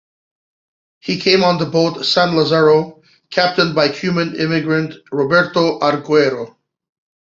He came on the boat "San Lazaro" captained by Cuban immigrant Roberto Aguero.